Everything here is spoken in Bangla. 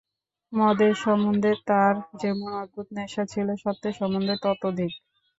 মদের সম্বন্ধে তাঁর যেমন অদ্ভুত নেশা ছিল সত্যের সম্বন্ধে ততোধিক।